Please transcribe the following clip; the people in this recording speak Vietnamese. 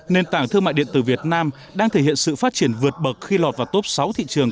nền tảng thương mại điện tử việt nam đang thể hiện sự phát triển vượt bậc khi lọt vào top sáu thị trường